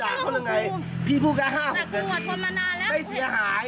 อ้าวมึกันต้องรู้ตัวตัวมึงด้วย